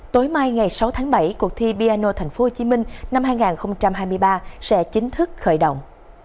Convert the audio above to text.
tối mai ngày sáu tháng bảy cuộc thi piano tp hcm năm hai nghìn hai mươi ba sẽ chính thức khởi động